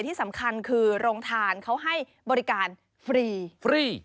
ที่สำคัญคือโรงทานเขาให้บริการฟรีฟรี